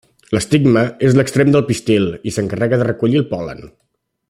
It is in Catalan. L'estigma és l'extrem del pistil, i s'encarrega de recollir el pol·len.